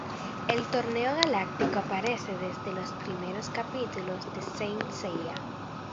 El Torneo Galáctico aparece desde los primeros capítulos de Saint Seiya.